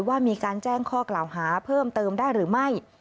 ว่ามีการแจ้งข้อกล่าวหาเพิ่มเติมได้หรือไม่